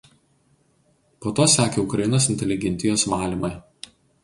Po to sekė Ukrainos inteligentijos „valymai“.